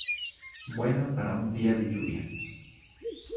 Buena para un día de lluvia".